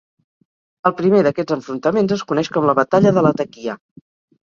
El primer d'aquests enfrontaments es coneix com la Batalla de Latakia.